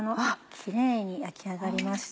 キレイに焼き上がりました。